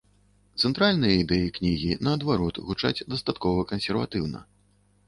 Цэнтральныя ідэі кнігі, наадварот, гучаць дастаткова кансерватыўна.